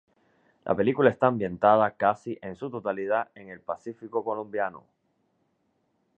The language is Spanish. La película está ambientada casi en su totalidad en el pacífico colombiano.